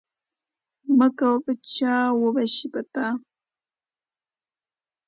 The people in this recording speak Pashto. مه کوه په چا وبه سي په تا.